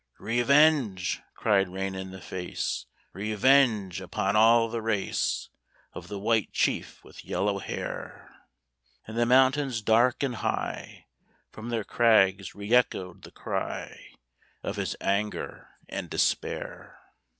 "Revenge!" cried Rain in the Face, "Revenge upon all the race Of the White Chief with yellow hair!" And the mountains dark and high From their crags reëchoed the cry Of his anger and despair.